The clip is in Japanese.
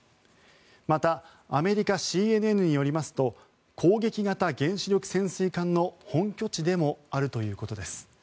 またアメリカ、ＣＮＮによりますと攻撃型原子力潜水艦の本拠地でもあるということです。